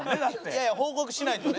いや報告しないとね。